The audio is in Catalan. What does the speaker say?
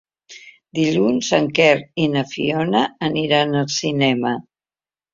Dilluns en Quer i na Fiona aniran al cinema.